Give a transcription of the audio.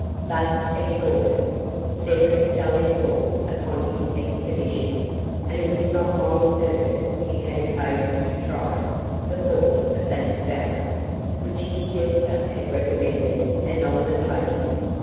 Thus exhorted, Cedric sallied forth upon his expedition; and it was not long ere he had occasion to try the force of that spell which his Jester had recommended as omnipotent.